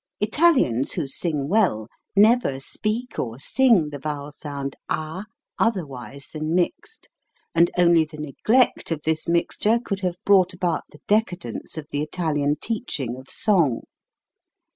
Italians who sing well never speak or sing the vowel sound ah otherwise than mixed, and only the neglect of this mixture could have brought about the decadence of the Italian teaching of song.